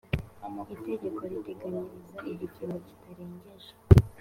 itegeko riteganyiriza igifungo kitarengeje